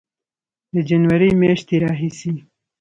د جنورۍ میاشتې راهیسې